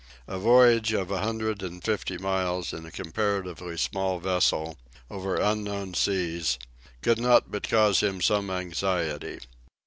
A voyage of a hundred and fifty miles in a comparatively small vessel, over unknown seas, could not but cause him some anxiety.